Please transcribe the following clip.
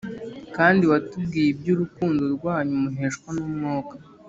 kandi watubwiye iby’urukundo rwanyu muheshwa n’Umwuka